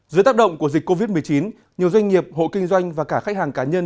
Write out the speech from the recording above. dưới tác động của dịch covid một mươi chín nhiều doanh nghiệp hộ kinh doanh và cả khách hàng cá nhân